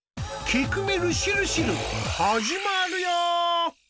「きくみるしるしる」始まるよ！